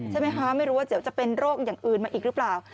ใช่ไหมคะไม่รู้ว่าเดี๋ยวจะเป็นโรคอย่างอื่นมาอีกหรือเปล่า